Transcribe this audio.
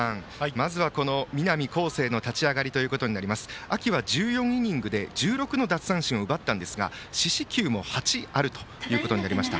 まずは南恒誠の立ち上がりですが秋は１４イニングで１６の奪三振を奪ったんですが四死球も８あることになりました。